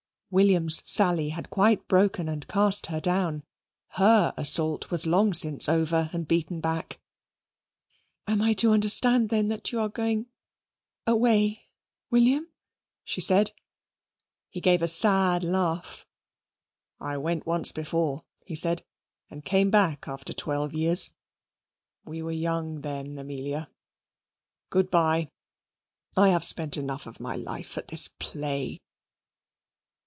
William's sally had quite broken and cast her down. HER assault was long since over and beaten back. "Am I to understand then, that you are going away, William?" she said. He gave a sad laugh. "I went once before," he said, "and came back after twelve years. We were young then, Amelia. Good bye. I have spent enough of my life at this play."